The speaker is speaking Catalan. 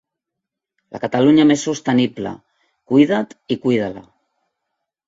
La Catalunya més sostenible, cuida't i cuida-la.